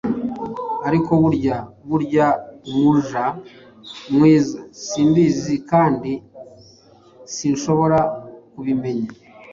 Ariko burya burya, umuja mwiza, simbizi, kandi sinshobora kubimenya